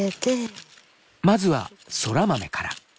まずはそら豆から。